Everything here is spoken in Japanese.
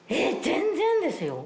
全然ですよ。